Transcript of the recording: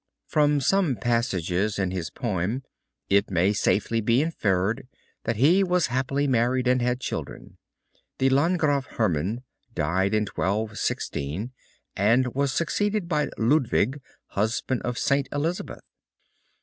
From some passages in his poem it may safely be inferred that he was happily married, and had children. The Landgraf Hermann died in 1216, and, was succeeded by Ludwig, husband of St. Elizabeth.